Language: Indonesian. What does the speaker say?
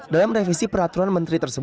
dalam revisi peraturan menteri